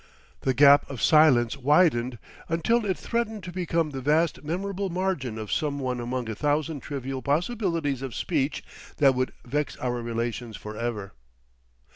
The gap of silence widened until it threatened to become the vast memorable margin of some one among a thousand trivial possibilities of speech that would vex our relations for ever.